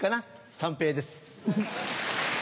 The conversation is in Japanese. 三平です。